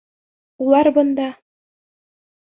Улар бында.